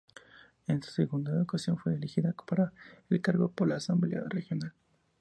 En esta segunda ocasión fue elegida para el cargo por la Asamblea Regional.